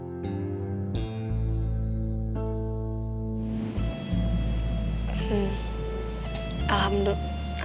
bukatan cerainya berjalan lancar